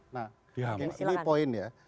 nah ini poin ya